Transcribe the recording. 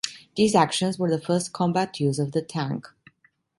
These actions were the first combat use of the tank.